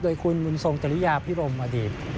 โดยคุณมุนทรงเจริญาพิบัมมดีน